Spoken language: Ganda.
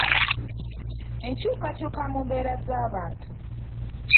Enkyukakyuka mu mbeera z’abantu